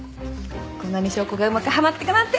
こんなに証拠がうまくはまってくなんて。